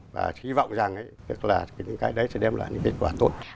và hy vọng rằng những cái đấy sẽ đem lại kết quả tốt